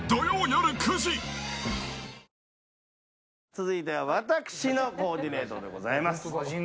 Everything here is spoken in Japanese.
続いては私のコーディネートでございます。